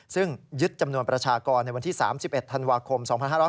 ซึ่งยึดจำนวนประชากรในวันที่๓๑ธันวาคม๒๕๕๙